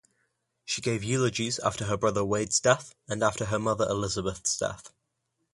She gave eulogies after her brother Wade's death and after her mother Elizabeth's death.